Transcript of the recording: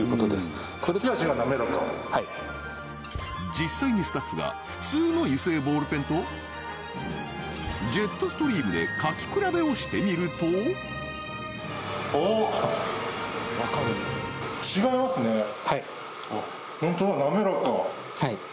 はい実際にスタッフが普通の油性ボールペンとジェットストリームで書き比べをしてみるとはいホント？